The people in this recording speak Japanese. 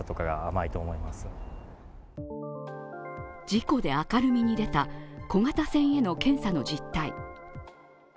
事故で明るみに出た小型船への検査の実態。